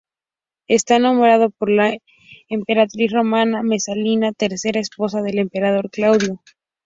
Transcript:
Está nombrado por la emperatriz romana Mesalina, tercera esposa del emperador Claudio.